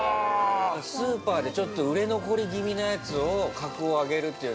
スーパーでちょっと売れ残り気味なやつを格を上げるっていうのが。